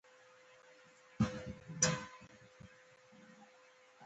فقره د متن جوړښت پیاوړی کوي.